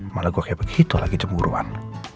malah gue kayak begitu lagi cemburuan